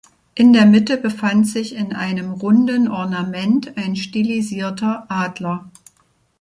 In der Mitte befand sich in einem runden Ornament ein stilisierter Adler.